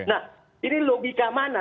nah ini logika mana